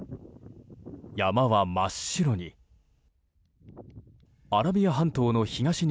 山は真っ白に。